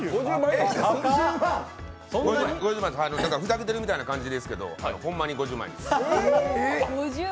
ふざけてるみたいな感じですけど、ホンマに５０万円です。